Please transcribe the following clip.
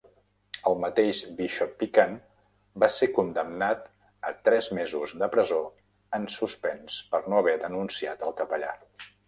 El mateix Bishop Pican va ser condemnat a tres mesos de presó en suspens per no haver denunciat el capellà.